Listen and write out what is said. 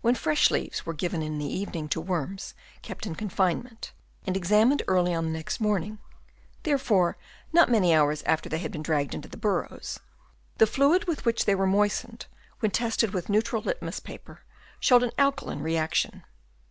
When fresh leaves were given in the evening to worms kept in confinement and examined early on the next morning, therefore not many hours after they had been dragged into the burrows, the fluid with which they were moistened, when tested with neutral litmus paper, showed an alkaline reaction.